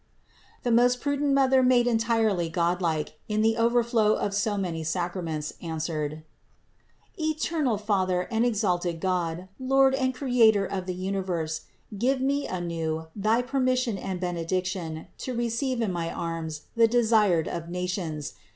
The most prudent Mother made entirely god like in the overflow of so many sacraments, answered: "Eternal Father and exalted God, Lord and Creator of the universe, give me anew thy permission and benedic tion to receive in my arms the Desired of nations (Agg.